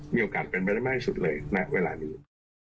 มีโอกาสเป็นไปได้มากที่สุดเลยณเวลานี้